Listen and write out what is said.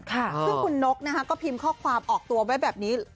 ซึ่งคุณนกก็พิมพ์ข้อความออกตัวไว้แบบนี้